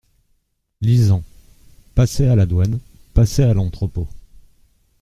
Lisant. "Passer à la douane, passer à l’entrepôt.